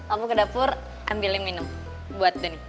aku ke dapur ambilin minum buat doni